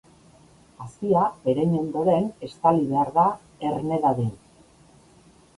Hazia, erein ondoan, estali behar da erne dadin.